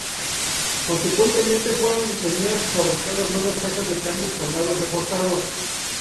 Consecuentemente, fueron diseñadas y fabricadas nuevas cajas de cambios con aros reforzados.